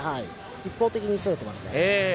一方的に攻めてますね。